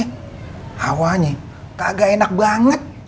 hawanya kagak enak banget